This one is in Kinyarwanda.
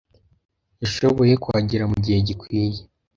Yashoboye kuhagera mugihe gikwiye.